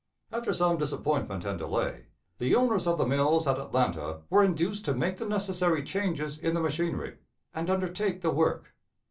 After some disappointment and delay, the owners of the mills at Atlanta were induced to make the necessary changes in the machinery, and undertake the work.